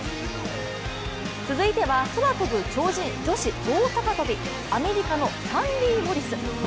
続いては、空跳ぶ超人、女子棒高跳び、アメリカのサンディ・モリス。